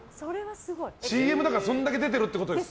ＣＭだからそれだけ出てるってことです。